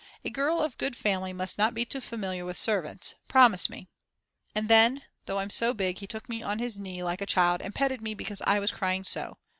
A girl of good family must not be too familiar with servants. Promise me." And then, though I'm so big he took me on his knee like a child and petted me because I was crying so.